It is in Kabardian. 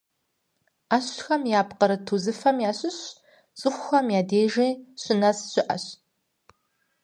Ӏэщхэм япкъырыт узыфэхэм ящыщ цӀыхухэм я дежи щынэс щыӏэщ.